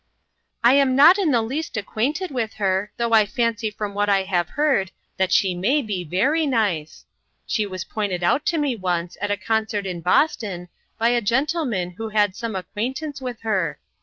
' "I am not in the least acquainted with her, though I fancy from what I have heard that she may be very ' nice.' She was pointed out to me once at a concert in Boston, by a gentleman who had some acquaintance with her.